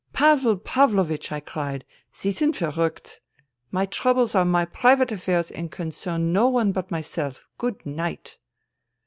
"' Pavel Pavlovich,' I cried, ' Sie sind verruckt My troubles are my private affairs and concern no one but myself. Good night.'